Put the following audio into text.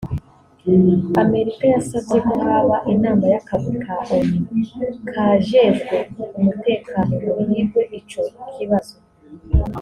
Amerika yasavye ko hoba inama y'akagwi ka Onu kajejwe umutekano ngo higwe ico kibazo